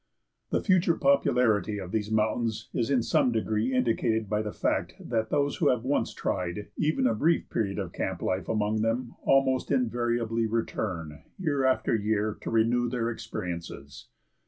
The future popularity of these mountains is in some degree indicated by the fact that those who have once tried even a brief period of camp life among them almost invariably return, year after year, to renew their experiences.